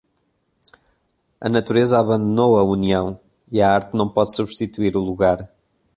A natureza abandonou a união e a arte não pode substituir o lugar.